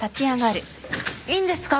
いいんですか？